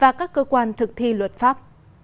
và các cơ quan thực thi luật pháp